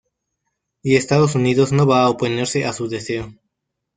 Y Estados Unidos no va a oponerse a su deseo".